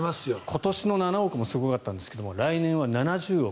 今年の７億もすごかったんですけど来年は７０億